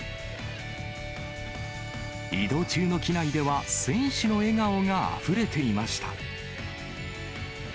移動中の機内では、選手の笑顔があふれていました。